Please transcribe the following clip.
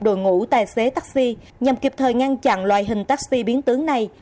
đội ngũ tài xế taxi nhằm kịp thời ngăn chặn loại hình taxi biến tướng này